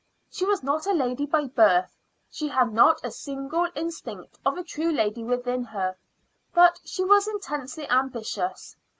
She was not a lady by birth; she had not a single instinct of a true lady within her; but she was intensely ambitious.